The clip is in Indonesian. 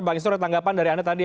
bang istora tanggapan dari anda tadi